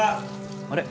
あれ？